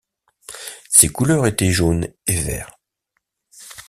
Ses couleurs étaient jaune et vert.